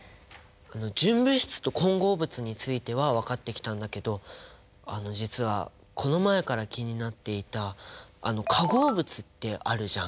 純物質と混合物については分かってきたんだけどあの実はこの前から気になっていた化合物ってあるじゃん。